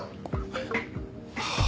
はあ。